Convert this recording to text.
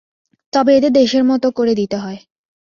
তবে এদের দেশের মত করে দিতে হয়।